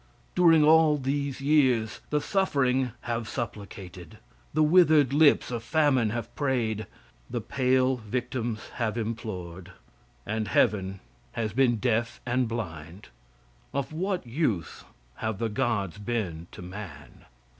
During all these years the suffering have supplicated; the withered lips of famine have prayed; the pale victims have implored, and heaven has been deaf and blind. Of what use have the gods been to man?